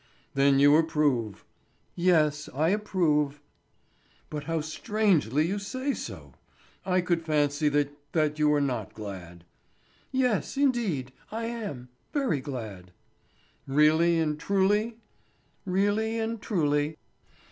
"Then you approve?" "Yes, I approve." "But how strangely you say so! I could fancy that—that you were not glad." "Yes, indeed, I am—very glad." "Really and truly?" "Really and truly."